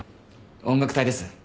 音楽隊です。